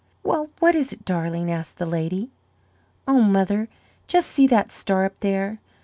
"Well, what is it, darling?" asked the lady. "Oh, mother, just see that star up there!